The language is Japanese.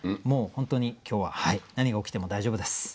もう本当に今日は何が起きても大丈夫です。